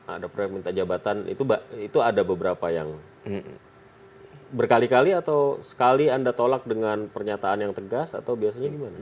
ada proyek minta jabatan itu ada beberapa yang berkali kali atau sekali anda tolak dengan pernyataan yang tegas atau biasanya gimana